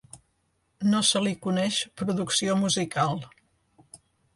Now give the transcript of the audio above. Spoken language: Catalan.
No se li coneix producció musical.